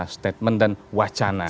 statement dan wacana